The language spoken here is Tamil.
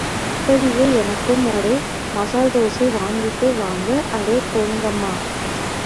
அப்படியே எனக்கும் ஒரு மசால்தோசை வாங்கிட்டு வாங்க, அட போங்கம்மா.